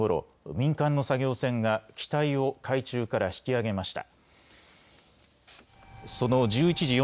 民間の作業船が機体を海中から引き揚げました。